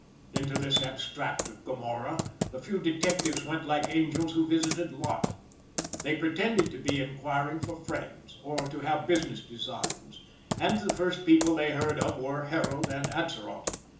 Into this abstract of Gomorrah the few detectives went like angels who visited Lot. They pretended to be enquiring for friends, or to have business designs, and the first people they heard of were Harold and Atzerott.